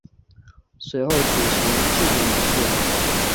随后举行祭祖仪式。